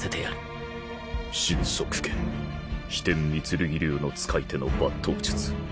神速剣飛天御剣流の使い手の抜刀術